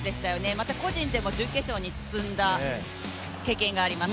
また個人でも準決勝に進んだ経験があります。